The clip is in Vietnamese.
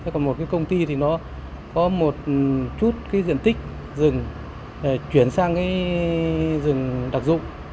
còn một cái công ty thì nó có một chút cái diện tích rừng chuyển sang cái rừng đặc dụng